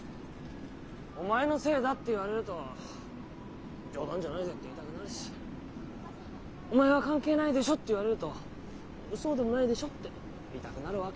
「お前のせいだ」って言われると「冗談じゃないぜ」って言いたくなるし「お前は関係ないでしょ」って言われると「そうでもないでしょ」って言いたくなるわけよ。